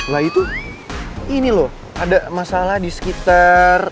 lah itu ini loh ada masalah di sekitar